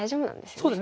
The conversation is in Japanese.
そうですね。